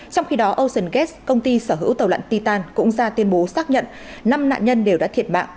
trong khi đó ocean gaz công ty sở hữu tàu lặn titan cũng ra tuyên bố xác nhận năm nạn nhân đều đã thiệt mạng